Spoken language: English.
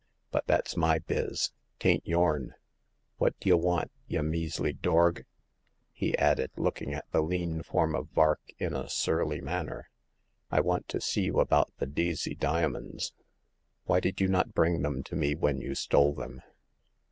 But that's my biz ; 'tain't yourn. Wot d'ye want, y' measly dorg ?" he added, looking at the lean form of Vark in a surly manner. " I want to see you about the Deacey dia monds. Why did you not bring them to me when you stole them